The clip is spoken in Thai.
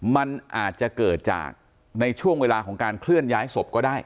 มันอาจจะเกิดจากในช่วงเวลาของการเคลื่อนย้ายศพก็ได้